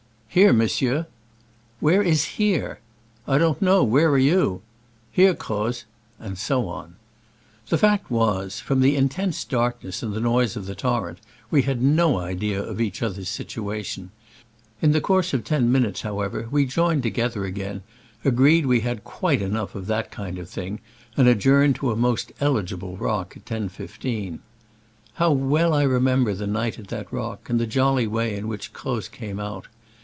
"Here, monsieur. "" Where is here ?"*' I don't know : where are you ?"Here, Croz ;*' and so on. The fact was, from the intense dark ness and the noise of the torrent, we had no idea of each other's situation : in the course of ten minutes, however, we join ed together again, agreed we had quite enough of that kind of thing, and ad journed to a most eligible rock* at 10.15. • How well I remember the night at that rock, and the jolly way in which Croz came out